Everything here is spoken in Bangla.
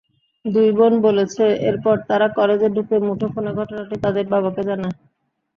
দুই বোন বলেছে, এরপর তারা কলেজে ঢুকে মুঠোফোনে ঘটনাটি তাদের বাবাকে জানায়।